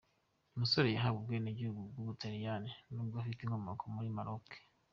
musore yahabwa ubwenegihugu bwu Butaliyani nubwo afite inkomoko muri Maroke.